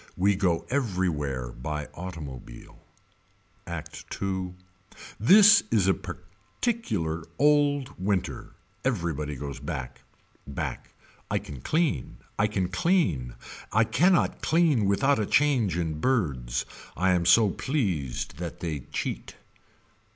We go everywhere by automobile. Act II. This is a particular old winter. Everybody goes back. Back. I can clean. I can clean. I cannot clean without a change in birds. I am so pleased that they cheat.